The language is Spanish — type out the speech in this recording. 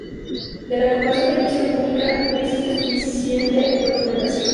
De la ocupación fenicio-púnica no existe suficiente documentación.